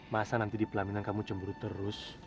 masa nanti di pelaminan kamu cemburu terus